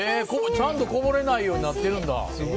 ちゃんとこぼれないようになってるんだ。